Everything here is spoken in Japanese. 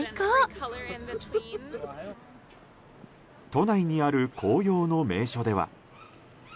都内にある紅葉の名所では。